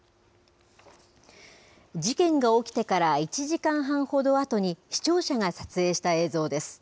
事件が起きてから１時間半ほどあとに、視聴者が撮影した映像です。